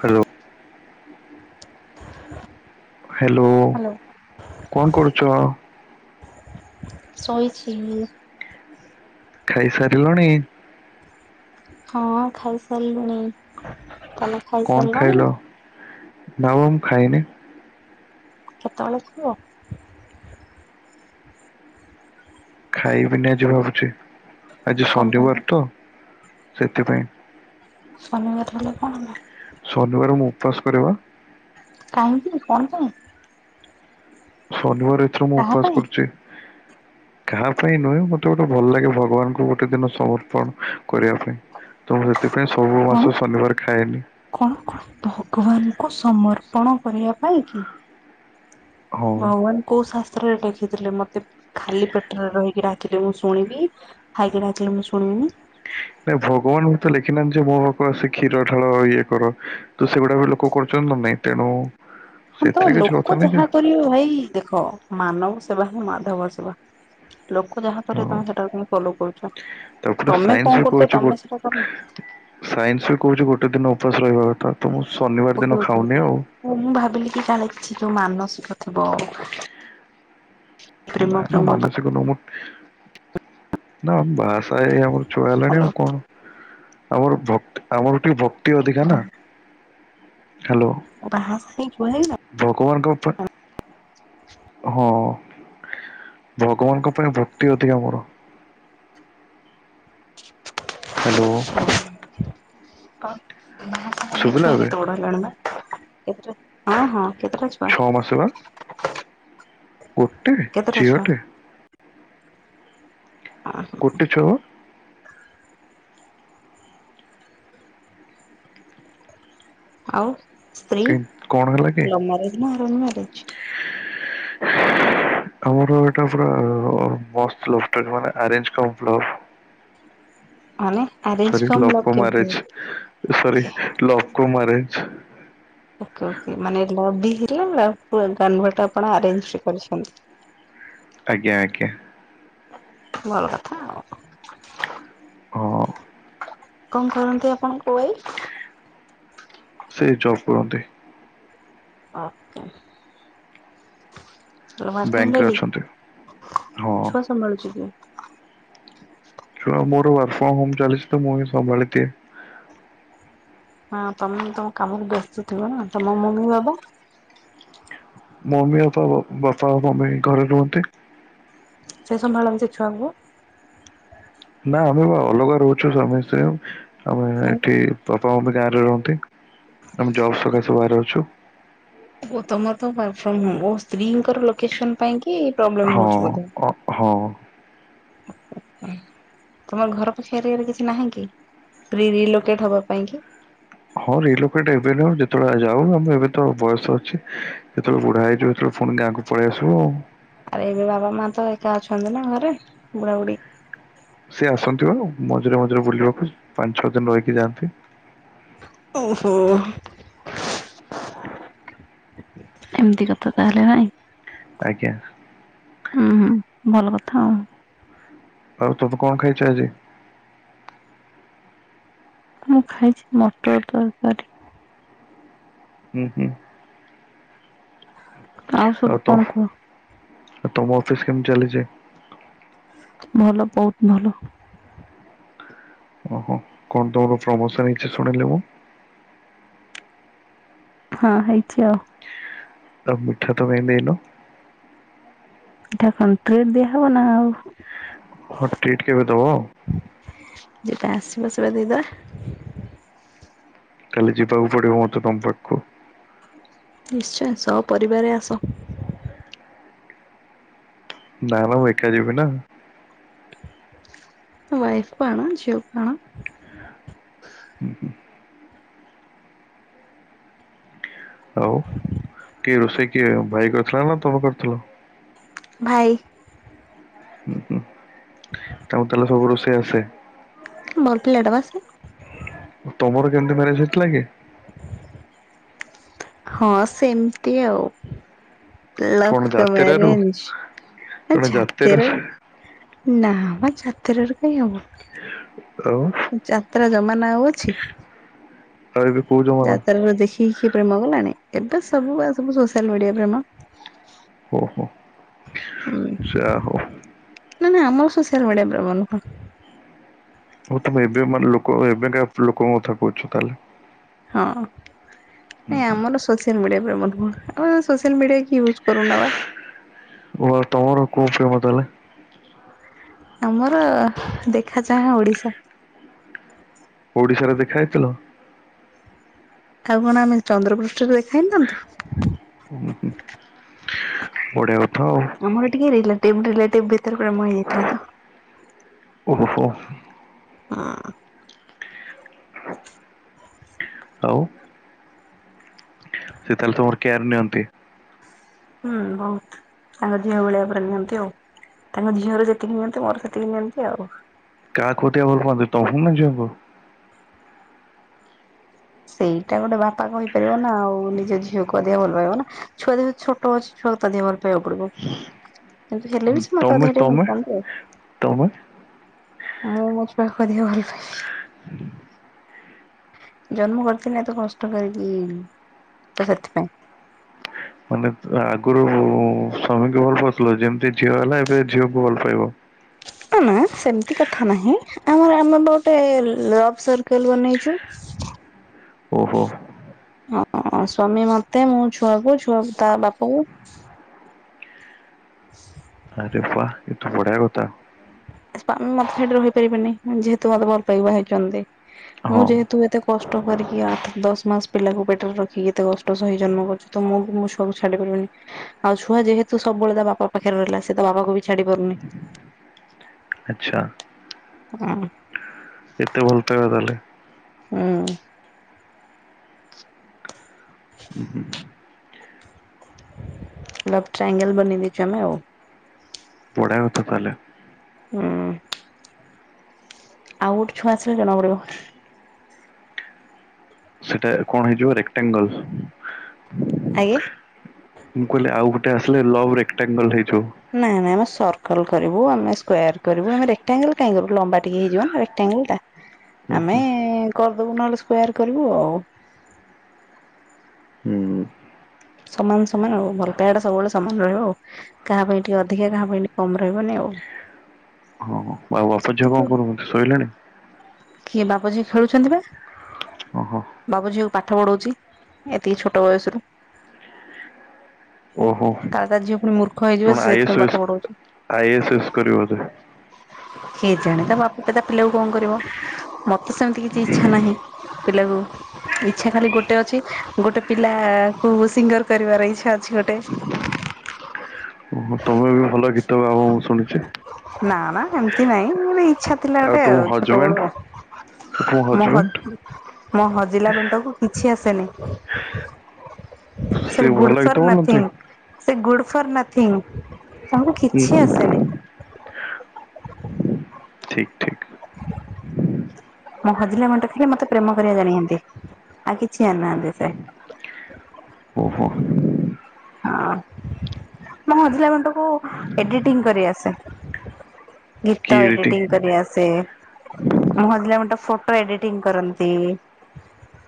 Hello hello କଣ କରୁଛ? ଶୋଇଛି ମୁଁ ଖାଇସାରିଲଣି ହଁ ଖାଇସାରିଲୁଣି ତମେ କଣ ଖାଇସାରିଲଣି? ଖାଇଲ ନା ମ ମୁଁ ଖାଇନି? କେତେବେଳେ ଖାଇବ? ଖାଇବିନି ଆଜି ଭାବୁଛି ଆଜି କଣ କଣ ଶନିବାର ତ ସେଥିପାଇଁ ଶନିବାର ହେଲେ କଣ ହେଲା? ଶନିବାର ମୁଁ ଉପବାସ କରିପା କାହିଁକି କଣ ପାଇଁ? ଶନିବାର ଏଥର ମୁଁ କାହା ଉପବାସ ପାଇଁ କରୁଛି। କାହା ପାଇଁ ନୁହେଁ ମତେ ଗୋଟେ ଭଲ ଲାଗେ ଭଗବାନଙ୍କୁ ଗୋଟେ ଦିନ ସମର୍ପଣ କରିବା ପାଇଁ। ତ ମୁଁ ସେଥିପାଇଁ ସବୁ କଣ ମାସ ଶନିବାର ଖାଏନି। କଣ କଣ ଭଗବାନଙ୍କୁ ସମର୍ପଣ କରିବା ପାଇଁ କି? ହଁ ଭଗବାନ କୋଉ ଶାସ୍ତ୍ରରେ ଲେଖିଥିଲେ ମତେ ଖାଲି ପେଟରେ ରହିକି ଡାକିଲି ମୁଁ ଶୁଣିବି? ଖାଇକି ଡାକିଲେ ମୁଁ ଶୁଣିବିନି ନାଇ ଭଗବାନ ମୋତେ ଲେଖିନାହାନ୍ତି। ଯେ ମୋ ପାଖକୁ ଆସି କ୍ଷୀର ଢାଳ ଇଏ କର ତ ସେଗୁଡା ବି ଲୋକ କରୁଛନ୍ତି କଣ ପାଇଁ ତେଣୁ ତ ସେଥିରେ କିଛି କଥା ଲୋକ ନାହିଁ ଯାହା ଯେ କରିବେ ଭାଇ ଦେଖ ମାନବ ସେବା ହଁ ମାଧବ ସେବା ଲୋକ ଯାହା ହଁ କରିବେ ତମେ ସେଟାକୁ କାହିଁ ଫଲୋ କରୁଛ ତାପରେ ତମେ ସାଇନ୍ସ କଣ ବି କରୁଛ କହୁଛି ଗୋ ତମେ ସେଟା କରୁନ। ସାଇନ୍ସ ବି କହୁଛି ଗୋଟେ ଦିନ ଉପାସ ରହିବା କଥା। ତ ମୁ ଶନିବାର ଦିନ ଖାଉନି ଆଉ। ମୁଁ ଭାବିଲି କି କାଳେ କିଛି ଯୋଉ ମାନସିକ ଥିବ ନା ପ୍ରେମ ନା ପ୍ରେମ ମାନସିକ ନୁହଁ ମୁଁ, ନା ମୁଁ ବାହାସାହା ହେଇ ଆମର ଛୁଆ ହେଲାଣି ହ୍ୟାଲୋ ଆଉ କଣ ଆମର ଭକ୍ତି ଆମର ଟିକେ ଭକ୍ତି ଅଧିକା ନା, ହ୍ୟାଲୋ। ଓ ବାହାସାହା ହେଇ ଛୁଆ ହେଇ [unintelligible] ଭଗବାନଙ୍କ ଉପା ହଁ ଭଗବାନଙ୍କ ପାଇଁ ଭକ୍ତି ଅଧିକା ମୋର। ହ୍ୟାଲୋ। ବାହା ହେଇ ଶୁଭିଲା ଛୁଆ ଏବେ କେତେ ବଡ ହେଲାଣି ନା, କେତେଟା, ହଁ ହଁ କେତେଟା ଛୁଆ? କଣ ଆସିବ? ଗୋଟେ କେତେଟା ଛୁଆ ଝିଅଟେ। ହଁ ଗୋଟେ ଛୁଆ ବା। ଆଉ ସ୍ତ୍ରୀ କି କଣ ହେଲା କି ଲବ୍ ମ୍ୟାରେଜ୍ ନା ଆରେଞ୍ଜ ମ୍ୟାରେଜ୍? [inaudible] ଆମର ଏଇଟା ପୁରା ମ-ମସ୍ତ ଲଭଷ୍ଟେଟ୍ ମାନେ ଅରେଞ୍ଜ କମ୍ ଲଭ୍। ମାନେ? ସରି ଲଭ୍ କମ୍ ଆରେଜ୍, ଏ ସରି ଲଭ୍ କମ୍ ଆରେଞ୍ଜ। ଓକେ ଓକେ ମାନେ ଲବ୍ ବି ହେଲା ଲଭ୍ ଫର୍ମ [unintelligible] ଆପଣ ଆରେଞ୍ଜ ବି କରିଛନ୍ତି। ଆଜ୍ଞା, ଆଜ୍ଞା। ଭଲ କଥା ଆଉ। ହଁ। କଣ କରନ୍ତି ଆପଣଙ୍କ ୱାଇଫ୍? ସେ ଜବ୍ କରନ୍ତି। ଓକେ। ଓ ୱାର୍କିଙ୍ଗ ବ୍ୟାଙ୍କରେ ଲେଡି, ଅଛନ୍ତି ହଁ ଛୁଆ ସମ୍ଭାଳୁଚି କିଏ? ଛୁଆ ମୋର ୱାର୍କ ଫ୍ରମ୍ ହୋମ୍ ଚାଲିଛି ତ ମୁଁ ହିଁ ସମ୍ଭାଳି ଦିଏ। ହଁ ତୋମେ ତୋମ କାମରେ ବ୍ୟସ୍ତ ଥିବ ନା, ତୋମ ମମି ବାବା? ମମି ବାପା ଓ ବାପା ମମି ଘରେ ରୁହନ୍ତି। ସେ ସମ୍ଭାଳନ୍ତି ଛୁଆଙ୍କୁ? ନା ଆମେ ବା ଅଲଗା ରହୁଛୁ ସ୍ୱାମୀ ସ୍ତ୍ରୀ, ଆମେ ଏଠି ପାପା ମମି ଗାଁରେ ରୁହନ୍ତି। ଆମେ ଜବ୍ ସକାଶେ ବାହାରେ ଅଛୁ। ଗୋ-ତୋମର ତ ୱାର୍କ ଫ୍ରମ ହୋମ୍ ର ସ୍ତ୍ରୀଙ୍କର ଲୋକେସନ ପାଇଁ କି ପ୍ରୋବ୍ଲେମ୍ ହଁ ହଉଛି ବୋଧେ? ଅ- ହଁ। [inaudible] ତୋମ ଘର ପାଖ ଏରିଆ ରେ କିଛି ନାହିଁ କି ପ୍ରି ରି ଲୋକେଟ୍ ହବା ପାଇଁ କି? ହଁ ରି ଲୋକେଟ୍ ଏବେ ନୁହଁ ଯେତେବେଳେ ଯାଉ ମୋତେ ଏବେ ତ ବୟସ ଅଛି। ଯେତେବେଳେ ବୁଢା ହେଇଯିବୁ ସେତେବେଳେ ଫୁଣି ଗାଁ କୁ ପଳେଇ ଆସିବୁ ଆଉ। ଆରେ ଏବେ ବାବା ମା ତ ଏକା ଅଛନ୍ତି ନା ଘରେ ବୁଢା ବୁଢ଼ୀ। ସେ ଆସନ୍ତି ବା ମଝିରେ ମଝିରେ ବୁଲିବାକୁ ପାଞ୍ଚ ଛଅ ଦିନ ରହିକି ଯାଆନ୍ତି। ଓହୋ। ଏମିତି କଥା ତାହେଲେ ଭାଇ। ଆଜ୍ଞା। ଅଁ, ହଁ ଭଲ କଥା ଆଉ। ଆଉ ତୋମେ କଣ ଖାଇଛ ଆଜି? ମୁଁ ଖାଇଛି ମଟର ତରକାରୀ ହୁଁ, ହୁଁ। ଆଉ ସବୁ ଆଉତ କଣ କୁହ ଆଉ ତମ ଅଫିସ୍ କେମତି ଚାଲିଚି? ଭଲ ବହୁତ ଭଲ। ଓହୋ କଣ ତମର ପ୍ରମୋସନ୍ ହେଇଚି ଶୁଣିଲି ମୁଁ। ହଁ ହେଇଛି ଆଉ। ତ ମିଠା ତ କାଇଁ ଦେଇନ। ମିଠା କଣ ଟ୍ରିଟ୍ ଦିଆହବ ନା ଆଉ। ଟ୍ରିଟ୍ କେବେ ଦେବ? ଯେବେ ଆସିବ ସେବା ଦେଇଦେବା। କାଲି ଯିବାକୁ ପଡ଼ିବ ମୋତେ ତମ ପାଖକୁ। ନିଶ୍ଚୟ ସହ ପରିବାରରେ ଆସ। ନା ନା ମୁଁ ଏକା ଯିବି ନା। ୱାଇଫ୍ କୁ ଆଣ ଝିଅ କୁ ଆଣ। ହୁଁ ହୁଁ [inaudible] ଆଉ କିଏ ରୋଷେଇ କିଏ ଭାଇ କରିଥିଲା ନା ତମେ କରିଥିଲ? ଭାଇ। ହୁଁ ହୁଁ ତାହେଲେ ସବୁ ରୋଷେଇ ଆସେ? ଭଲ ପିଲାଟା ବା ସେ। ତମର କେମିତି ମ୍ୟାରେଜ୍ ହେଇଥିଲା କି? ହଁ ସେମତି ଆଉ। କଣ ଲଭ କ ଯାତେରାରୁ ମ୍ୟାରେଜ କଣ ଆଛ ଯାତେରା ତର [inaudible] ନା ମ ଯାତ୍ରାରୁ କହିଁ ହବ। ଆଉ। ଯାତ୍ରା ଜମାନା ଆଉ ଅଛି। ତ ଏବେ କହୁଛ ଯାତ୍ରରୁ ଦେଖିଖି ପ୍ରେମ କଲାଣି ଏବେ ସବୁ ବା ସବୁ ସୋସିଆଲ୍ ମିଡିଆ ପ୍ରେମ। ଓ ହୋ। ହୁଁ ଯା ହଉ। ନା ନା ଆମର ସୋସିଆଲ୍ ମିଡିଆ ପ୍ରେମ ନୁହ। ଓ ତମେ ଏବେ ମାନେ ଲୋକ ଏବେକା ଲୋକଙ୍କ କଥା କହୁଛ ତାହେଲେ। ହଁ ନାଇଁ ଆମର ସୋସିଆଲ ମିଡିଆ ପ୍ରେମ ନୁହ ଆମେ ସୋସିଆଲ ମିଡିଆ କିଏ ୟୁଜ କରୁନୁ ବା। ଓ ତମର କଉ ପ୍ରେମ ତାହାଲେ? [inaudible] ଆମର ଦେଖା ଚାହା ଓଡ଼ିଶା। ଓଡିଶାରେ ଦେଖା ହେଇଥିଲ? ଆଉ କଣ ଆମେ ଚନ୍ଦ୍ରପୃଷ୍ଠରେ ଦେଖାହେଇଥାନ୍ତୁ। ଓ ହ ହୁଁ [inaudible] ବଢ଼ିଆ କଥା। ଆମର ଟିକେ ରିଲେଟିଭ ରିଲେଟିଭ ଭିତରେ ପ୍ରେମ ହେଇଯାଇଥିଲା ତ। ଓହୋ। ହଁ। ଆଉ। ସେ ତାହେଲେ ତୁମର କେୟାର ନିଅନ୍ତି? ହୁଁ ବହୁତ ତାଙ୍କ ଝିଅ ଭଳିଆ ପୁରା ନିଅନ୍ତି ଆଉ। ତାଙ୍କ ଝିଅର ଯେତିକି ନିଅନ୍ତି ମୋର ସେତିକି ନିଅନ୍ତି ଆଉ। କାହାକୁଟିଆ ଭଲ ପାଆନ୍ତି ତମକୁ ନା ଝିଅଙ୍କୁ? ସେଇଟା ଗୋଟେ ବାପା କହିପାରିବ ନା ଆଉ ନିଜ ଝିଅକୁୁଆଦିଆ ଭଲପାଇବ ନା ଛୁଆ ଦେହ ଛୋଟ ଅଛି। ଛୁଆକୁ ତ ଅଧିକ ଭଲ ପାଇବାକୁ ପଡିବ। ହ [inaudible] କିନ୍ତୁ ହେଲେ ବି ସେ ମତେ ଅଧିକାଟିକେ ଭଲ ପାଆନ୍ତି ଆଉ। ତମେ? ମୁଁ ମୋ ଛୁଆକୁ ଅଧିକା ଭଲ ପାଏ। ଜନ୍ମ କରିଥିଲେ ଏ ତେ କଷ୍ଟ କରିକି ତ ସେଥିପାଇଁ। ମାନେ ଆଗରୁ ସ୍ୱାମୀକୁ ଭଲ ପାଉଥିଲେ ଯେମିତି ଝିଅ ହେଲା ଏବେ ଝିଅକୁ ଭଲ ପାଇବ। ନା ସେମିତି କଥା ନାହିଁ। ଆମର ଆମେ ଗୋଟେ ଲଭ ସର୍କଲ ବନେଇଚୁ। ଓ। ଅ ସ୍ୱାମୀ ମତେ ମୁଁ ଛୁଆକୁ ଛୁଆ ତା ବାପକୁ ହ [unintelligible] ଆରେ ବାଃ ଏଠୁ ବଢିଆ କଥା। ସ୍ୱାମୀ ମତେ ଛାଡି ରହିପାରିବେନି ଯେହେତୁ ମତେ ଭଲ ପାଇ ବାହା ହେଇଛନ୍ତି। ମୁଁ ହଁ ଯେହେତୁ ଏତେ କଷ୍ଟ କରିକି ଆଠ ଦଶ ମାସ ପିଲାକୁ ପେଟରେ ରଖିକି ଏତେ କଷ୍ଟ ସହି ଜନ୍ମ କରିଚି ତ ମୁଁ ମୋ ଛୁଆକୁ ଛାଡ଼ି ପାରିବିନି। ଆଉ ଛୁଆ ଯେହେତୁ ସବୁବେଳେ ତା ବାପା ପାଖରେ ରହିଲା ସେ ତ ବାପାକୁ ବି ଛାଡି ପାରୁନି। ଆଛା। ହଁ। ଏତେ ଭଲ ପାଇବା ତା ହେଲେ। ହୁଁ। ଲବ ଟ୍ରାଙ୍ଗେଲେ ବନେଇଦେଇଚୁ ଆମେ ଆଉ। ଆଛା ତା ହେଲେ। ହୁଁ। ଆଉ ଗୋଟେ ଛୁଆ ଆସିଲେ ଜଣା ପଡିବ। ସେଟା କଣ ହେଇଯିବ ରେକ୍ଟାଙ୍ଗଲ? ଆଜ୍ଞା। ମୁଁ କହିଲି ଆଉ ଗୋଟେ ଆସିଲେ ଲଭ ରେକ୍ଟାଙ୍ଗଲ ହେଇଯିବ। ନାଇଁ ନାଇଁ ଆମ ସର୍କଲ କରିବୁ ଆମେ ସ୍କୟାର କରିବୁ ଆମେ ରେକ୍ଟାଙ୍ଗଲ କାଇଁ କରିବୁ ଲମ୍ବା ଟିକେ ହେଇଯିବନା। ଟାଙ୍ଗେଟା ଆମେ କରିଦବୁ ନହେଲେ ସ୍କୋୟାର କରିବୁ ଆଉ। ହୁଁ। ସମାନ ସମାନ ଆଉ ଭଲ ପାଇବାଟା ସବୁବେଳେ ସମାନ ରହିବ। କାହା ପାଇଁ ଟିକେ ଅଧିକା କାହା ପାଇଁ ଟିକେ କମ୍ ରହିବନି ଆଉ। ହଁ ଆଉ ବାପ ଝିଅ କିନ୍ତୁ କଣ କରୁଛନ୍ତି ଶୋଇଲେଣି? କିଏ ବାପଝିଅ ଖେଳୁଛନ୍ତି ବା। ଅ ହଁ। ବାବ ଝିଅକୁ ପାଠ ପଢ଼ଉଛି ଏତିକି ଛୋଟ ବୟସରୁ। ଓହୋ। କାଳେ ତା ଝିଅ ପୁଣି ମୂର୍ଖ ହେଇଯିବ କଣ ସେ ଆଇ ଏସ୍ ସେଥିପାଇଁ ଏସ୍ ପାଠ ପଢଉଚି। ଆଇ ଏସ୍ ଏସ୍ କରିବ ବୋଧେ କେଜାଣି ତା ବାପା ତା ପିଲାକୁ କଣ କରିବ ମତେ ସେମିତି କିଛି ଇଚ୍ଛା ନାହିଁ। ପିଲାକୁ ଇଚ୍ଛା ଖାଲି ଗୋଟେ ଅଛି ଗୋଟେ ପିଲା କୁ ସିଙ୍ଗର କରିବାର ଇଚ୍ଛା ଅଛି ଗୋଟେ। ଓହୋ ତମେ ବି ଭଲ ଗୀତ ଗାଅ ମୁଁ ଶୁଣିଚି? ନା ମା ଏମିତି ନାଇଁ ମୋ ଇଚ୍ଛା ଥିଲା ଆଉ ଗୋଟେ ତମ ଛୋଟ ହଜବେଣ୍ଡ ବେଳୁ ତମ ମୋ ହଜବେଣ୍ଡ ମୋ ହଜିଲା ବେଣ୍ଟକୁ କିଛି ଆସେନି। ସେ ସ ଭଲ ଗୁଡ଼୍ ଗୀତ ଫର୍ ବୋଲନ୍ତି? ନଥିଂ। ସେ ଗୁଡ ଫର୍ ନଥିଙ୍ଗ ତାଙ୍କୁ ହୁଁ କିଛି ହୁଁ ଆସେନି। ଠିକ୍ ଠିକ। ମୁଁ ହଜିଲା ବେଣ୍ଟ ଖାଲି ମତେ ପ୍ରେମ କରିବା ଜାଣିନ୍ତି ଆଉ କିଛି ଜାଣିନାହାନ୍ତି ସେ ଓହୋ। ହଁ। ମୁଁ ହଜିଲା ବେଣ୍ଟ କୁ ଏଡିଟିଂ କରିଆସେ ଗୀତ ଏଡିଟିଂ କରିଆସେ ମୋ ହଜିଲା ବେଣ୍ଟ ଫଟୋ ଏଡିଟିଂ କରନ୍ତି।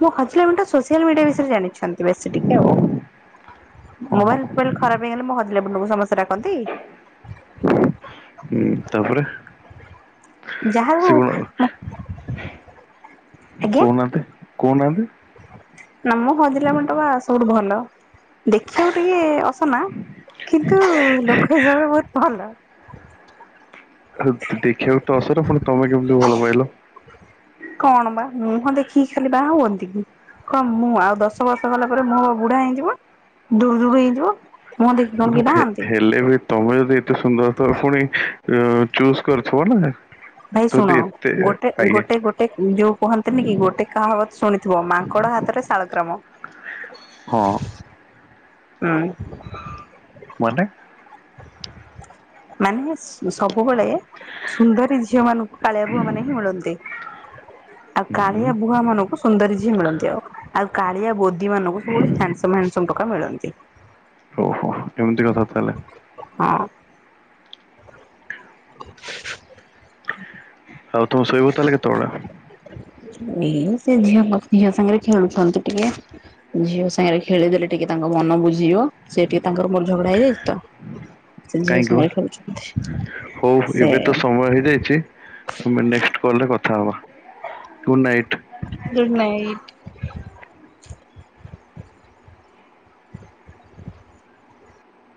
ମୁଁ ହଜିଲା ବେଣ୍ଟ ସୋସିଆଲ ମିଡିଆ ବିଷୟରେ ଜାଣିଛନ୍ତି ବେଶୀ ଟିକେ ଆଉ। ହଁ ହଁ। ମୋବାଇଲ ଫୋବାଇଲ ଖରାପ ହେଇଗଲେ ମଁ ହଜିଲା ବେଣ୍ଟ କୁ ସମସ୍ତେ ଡାକନ୍ତି। ହଁ ତାପରେ ଯାହା ସେ ଉ କଣ କହୁ ନାହାନ୍ତି। ନା ମୁଁ ହଜିଲା ବେଣ୍ଟ ବା ସବୁଠୁ ଭଲ ଦେଖିବାକୁ ଟିକେ ଅସନା। କିନ୍ତୁ ଲୋକ ହିସାବରେ ବହୁତ୍ ଭଲ। ଦେଖିବାକୁ ତ ଅସୁର ପୁଣି ତମେ କେମିତି ଭଲ ପାଇଲ। କଣ ବା ମୁହଁ ଦେଖିକି ଖାଲି ବାହା ହୁଅନ୍ତି କି? କଣ ମୁଁ ଆଉ ଦଶ ବର୍ଷ ଗଲା ପରେ ମୋ ବୁଢା ହେଇଯିବ ଦୁଡ୍‌ ଦୁ ଡ୍‌ ହେଇଯିବ। ମୁଁହ ଦେଖି କଣ ନା କିଏ ହେ ବାହାନ୍ତି। ହେଲେ ବି ତମେ ଯଦି ଏତେ ସୁନ୍ଦର ତୋ ପୁଣି ଚୁଜ୍‌ କରିଥିବ ନା। ଭାଇ ଶୁଣ ଯଦି ଏତେ ଗୋଟେ ଆଜ୍ଞା ଗୋଟେ ଗୋଟ ଗୋଟେ ଯୋଉ କୁହନ୍ତିନି କି ଗୋଟେ କାହା ବତ୍ ଶୁଣିଥିବ ମାଙ୍କଡ ହାତରେ ଶାଳଗ୍ରାମ। ହଁ। ହୁଁ। ମାନେ? [inaudible] ମାନେ ସବୁବେଳେ ସୁନ୍ଦରୀ ଝିଅ ମାନଙ୍କୁ କାଳିଆ ଭୂଆ ମାନେ ହିଁ ମିଳନ୍ତି। ଆଉ କାଳିଆ ବୁହା ମାନଙ୍କୁ ସୁନ୍ଦରୀ ଝିଅ ମିଳନ୍ତି ଆଉ। ଆଉ କାଳିଆ ବୋଦି ମାନଙ୍କୁ ସବୁବେଳେ ହ୍ୟାଣ୍ଡସମ୍, ହ୍ୟାଣ୍ଡସମ୍ ଟୋକା ମିଳନ୍ତି। ଓହୋ ଏମିତି କଥା ତାହେଲେ। ହଁ। [inaudible] ଆଉ ତମେ ଶୋଇବ ତାହେଲେ କେତେବେଳେ? ଏଇ ସେ ଝିଅ ଝିଅ ସାଙ୍ଗରେ ଖେଳୁଛନ୍ତି ଟିକେ। ଝିଅ ସାଙ୍ଗରେ ଖେଳିଦେଲେ ଟିକେ ତାଙ୍କ ମନ ବୁଝିବ, ସେ ଟିକେ ତାଙ୍କର ମୋର ଝଗଡା ହେଇଯାଇଛି ତ। ସେ ଝିଅ କାହିଁକି ବା, ସାଙ୍ଗରେ ଖେଳୁଛନ୍ତି ହଉ ସେ ଏବେ ତ ସମୟ ହେଇଯାଇଛି। ଆମେ ନେକ୍ସଟ୍ କଲ୍‌ ରେ କଥା ହବା ଗୁଡ୍‌ ନାଇଟ୍। Good night.